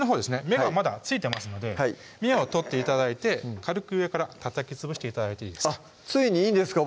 芽がまだ付いてますので芽を取って頂いて軽く上からたたきつぶして頂いていいですかついにいいんですか？